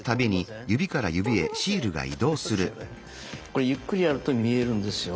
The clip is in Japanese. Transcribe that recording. これゆっくりやると見えるんですよ。